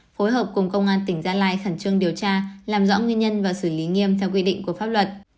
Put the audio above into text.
phối hợp cùng công an tỉnh gia lai khẩn trương điều tra làm rõ nguyên nhân và xử lý nghiêm theo quy định của pháp luật